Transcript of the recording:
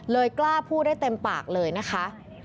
กล้าพูดได้เต็มปากเลยนะคะ